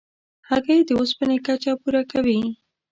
هګۍ د اوسپنې کچه پوره کوي.